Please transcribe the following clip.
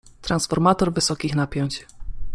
Transformator wysokich napięć.